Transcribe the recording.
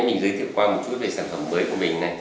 mình giới thiệu qua một chút về sản phẩm mới của mình này